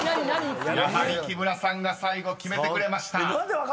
［やはり木村さんが最後決めてくれました］